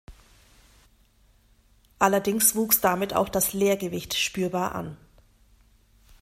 Allerdings wuchs damit auch das Leergewicht spürbar an.